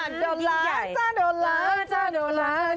นี่ไงจ๊ะโดนรั้ง